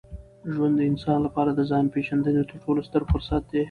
ژوند د انسان لپاره د ځان پېژندني تر ټولو ستر فرصت دی.